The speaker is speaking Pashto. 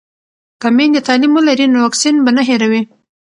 که میندې تعلیم ولري نو واکسین به نه هیروي.